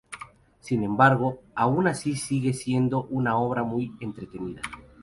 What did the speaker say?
Sin embargo aún así sigue siendo una obra muy entretenida.